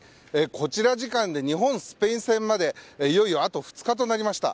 こちら日本時間で日本対スペイン戦までいよいよあと２日となりました。